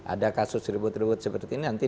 ada kasus ribut ribut seperti ini nanti